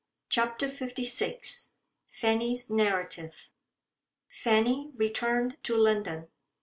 CHAPTER LVI FANNY'S NARRATIVE FANNY returned to London.